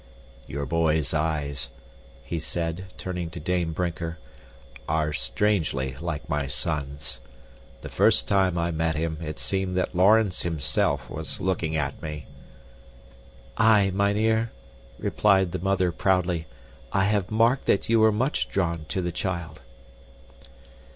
"Your boy's eyes," he said, turning to Dame Brinker, "are strangely like my son's. The first time I met him it seemed that Laurens himself was looking at me." "Aye, mynheer," replied the mother proudly. "I have marked that you were much drawn to the child."